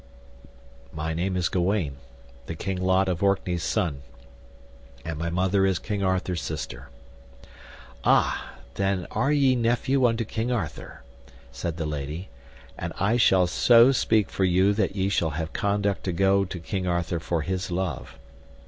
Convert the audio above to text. My name is Gawaine, the King Lot of Orkney's son, and my mother is King Arthur's sister. Ah! then are ye nephew unto King Arthur, said the lady, and I shall so speak for you that ye shall have conduct to go to King Arthur for his love.